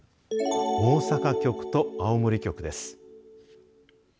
大阪局と青森局です。